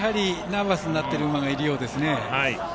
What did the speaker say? ナーバスになっている馬がいるようですね。